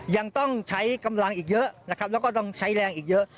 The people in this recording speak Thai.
ยังต้องใช้กำลังอีกเยอะนะครับแล้วก็ต้องใช้แรงอีกเยอะ